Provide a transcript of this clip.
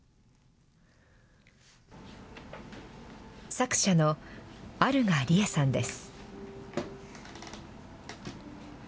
作者の有賀リエさんです。